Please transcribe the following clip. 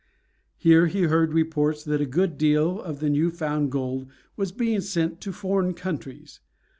Here he heard reports that a good deal of the new found gold was being sent to foreign countries.